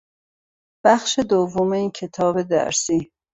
بخش دوم این کتاب درسی